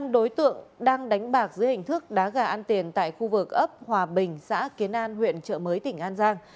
năm đối tượng đang đánh bạc dưới hình thức đá gà ăn tiền tại khu vực ấp hòa bình xã kiến an huyện trợ mới tỉnh an giang